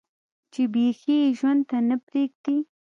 چې بيخي ئې ژوند ته نۀ پرېږدي